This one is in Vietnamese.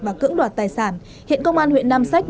và cưỡng đoạt tài sản hiện công an huyện nam sách